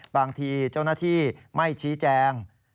บางทีเจ้าหน้าที่ไม่ชี้แจง